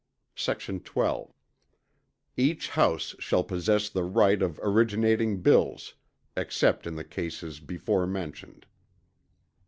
Sect. 12. Each House shall possess the right of originating bills, except in the cases beforementioned.